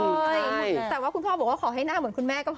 ไม่ติดเลยแต่ว่าคุณพ่อบอกให้หน้าเหมือนคุณแม่ก็พอ